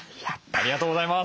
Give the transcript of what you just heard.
ありがとうございます。